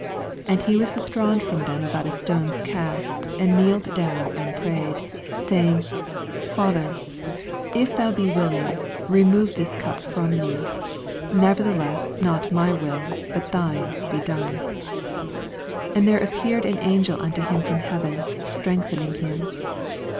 41 And he was withdrawn from them aboQt a stone^s ca8t,and kneeled down, and prayed, 42 Saying:, Father, if thon be will ing.remove this cap fVom me ; never theless not my will, but thine, be done. 43 And there appeared an angel unto him from heaven, strengthening him.